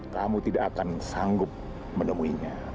kamu tidak akan sanggup menemuinya